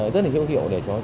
rất là hiệu hiệu